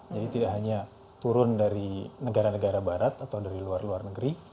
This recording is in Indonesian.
jadi tidak hanya turun dari negara negara barat atau dari luar luar negeri